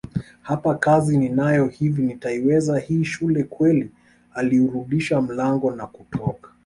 Hapa kazi ninayo hivi nitaiweza hii shule kweli Aliurudisha mlango na kutoka